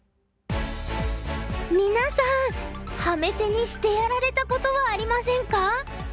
皆さんハメ手にしてやられたことはありませんか？